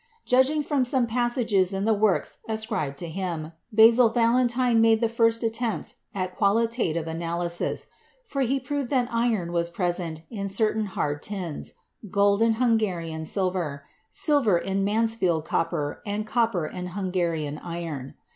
Judging from some passages in the works ascribed to him, Basil Valentine made the first attempts at qualitative analysis, for he proved that iron was present in certain hard tins, gold in Hungarian silver, silver in Mansfield copper and copper in Hungarian iron.